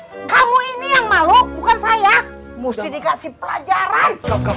hai kamu ini yang malu bukan saya musti dikasih pelajaran